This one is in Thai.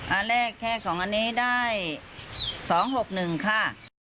อันแรกแค่๒อันนี้ได้๒๖๑ค่ะ